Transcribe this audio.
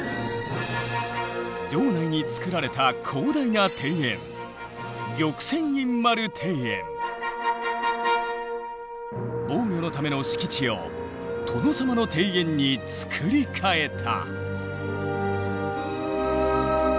城内につくられた広大な庭園防御のための敷地を殿様の庭園につくり替えた。